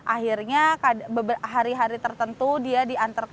akhirnya hari hari tertentu dia diantar ke